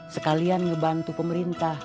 sekalian ngebantu pemerintah